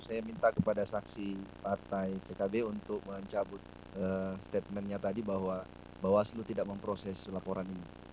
saya minta kepada saksi partai pkb untuk mencabut statementnya tadi bahwa bawaslu tidak memproses laporan ini